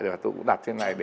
rồi tôi cũng đặt trên này